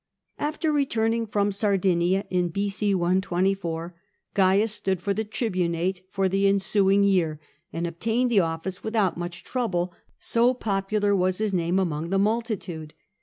After returning from Sardinia in B.c. 124, Caius stood for the tribunate for the ensuing year, and obtained the office without much trouble, so popular was his name among the multitude.